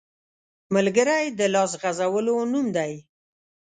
ملګری د لاس غځولو نوم دی